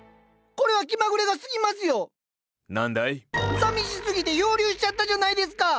さみしすぎて漂流しちゃったじゃないですか！